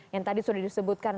yang tadi sudah disebutkan